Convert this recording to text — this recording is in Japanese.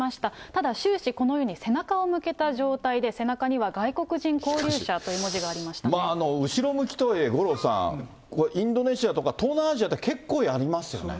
ただ終始、このような背中を向けた状態で、背中には外国人勾留者という文字後ろ向きとはいえ、五郎さん、インドネシアとか、東南アジアって、結構やりますよね。